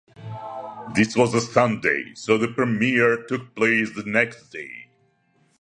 This was a Sunday, so the premiere took place the next day.